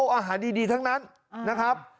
อาหารดีทั้งนั้นนะครับ